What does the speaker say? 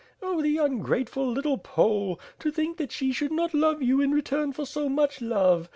"Oh, the ungrateful little Pole! To think that she should not love you in return for so much love.